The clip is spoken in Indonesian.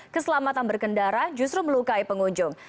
keselamatan berkendara justru melukai pengunjung